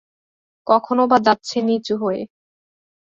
কখনোবা যাচ্ছে নিচু হয়ে।